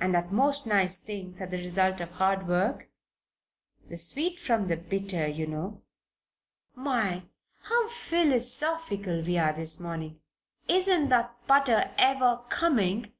And that most nice things are the result of hard work? The sweet from the bitter, you know." "My! how philosophical we are this morning. Isn't that butter ever coming?"